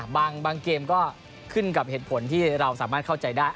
เกมก็ขึ้นกับเหตุผลที่เราสามารถเข้าใจได้